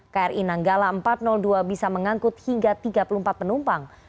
kri nanggala empat ratus dua bisa mengangkut hingga tiga puluh empat penumpang